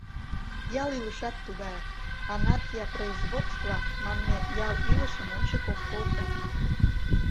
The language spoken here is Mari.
Ял илышат тугаяк: анархия производства манме ял илышым ончык ок колто.